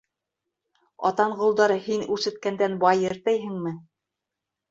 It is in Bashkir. Атанғолдар һин үрсеткәндән байыр тейһеңме.